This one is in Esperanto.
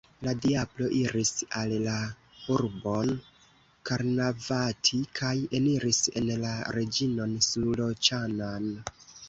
La diablo iris en la urbon Karnavati kaj eniris en la reĝinon Suloĉana'n.